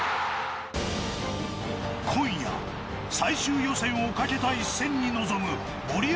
今夜、最終予選をかけた一戦に臨む森保